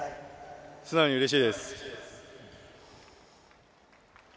素直にうれしいです。